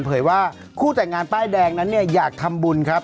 ว่าคู่แต่งงานป้ายแดงนั้นเนี่ยอยากทำบุญครับ